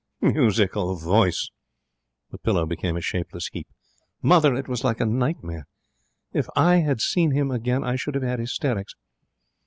'Musical voice!' The pillow became a shapeless heap. 'Mother, it was like a nightmare! If I had seen him again I should have had hysterics.